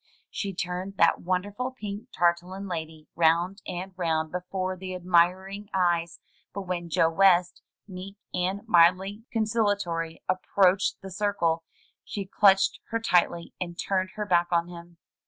She turned that wonderful pink tarlatan lady round and round before the admiring eyes; but when Joe West, meek and mildly conciliatory, approached the circle, she clutched her tightly and turned her back on him.